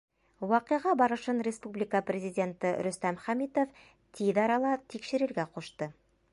Ваҡиға барышын республика Президенты Рөстәм Хәмитов тиҙ арала тикшерергә ҡушты.